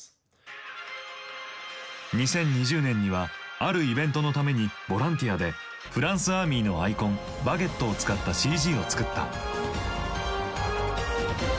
２０２０年にはあるイベントのためにボランティアでフランスアーミーのアイコンバゲットを使ったＣＧを作った。